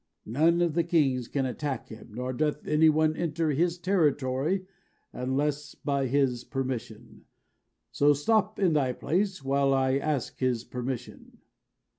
None of the kings can attack him, nor doth any one enter his territory unless by his permission, so stop in thy place while I ask his permission."